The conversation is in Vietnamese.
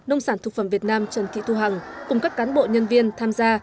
nông sản thực phẩm việt nam trần thị thu hằng cùng các cán bộ nhân viên tham gia